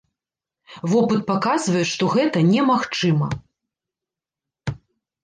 Вопыт паказвае, што гэта немагчыма.